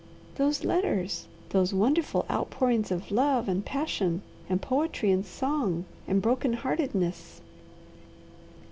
"Those letters! Those wonderful outpourings of love and passion and poetry and song and broken heartedness.